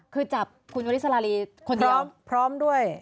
คือจับคุณวริสราลีคนเดียวพร้อมด้วย